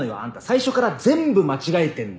最初から全部間違えてんの。